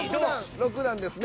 ６段ですね。